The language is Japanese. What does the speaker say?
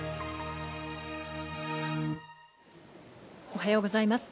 おはようございます。